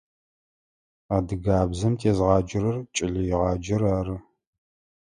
Адыгабзэм тезгъаджэрэр кӏэлэегъаджэр ары.